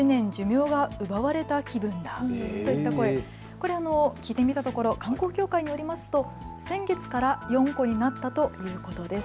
これ聞いてみたところ観光協会によりますと先月から４個になったということです。